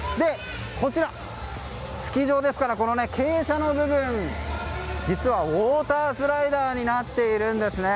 こちら、スキー場ですから傾斜の部分実はウォータースライダーになっているんですね。